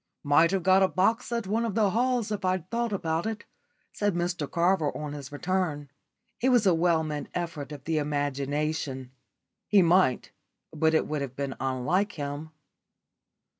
"Might have got a box at one of the halls if I'd thought about it," said Mr Carver on his return. It was a well meant effort of the imagination. He might, but it would have been unlike him.